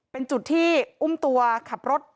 เป็นจุดที่อุ้มตัวขับรถ